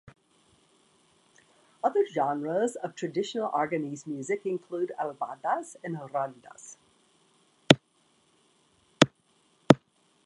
Other genres of traditional Aragonese music include albadas and rondas.